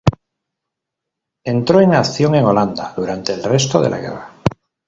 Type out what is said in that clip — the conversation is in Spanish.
Entró en acción en Holanda durante el resto de la guerra.